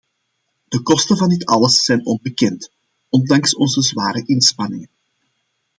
De kosten van dit alles zijn onbekend, ondanks onze zware inspanningen.